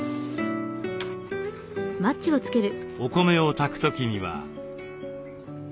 お米を炊く時には。